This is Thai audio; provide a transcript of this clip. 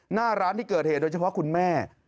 หน้าร้านที่เกิดเหตุโดยเฉพาะคุณแม่